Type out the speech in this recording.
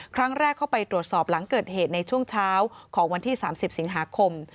ครั้งแรกเข้าไปตรวจสอบหลังเกิดเหตุในช่วงเช้าของวันที่๓๐สิงหาคม